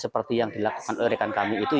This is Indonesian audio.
seperti yang dilakukan oleh rekan kami itu